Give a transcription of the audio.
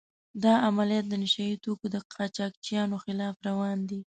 دا عملیات د نشه يي توکو د قاچاقچیانو خلاف روان دي.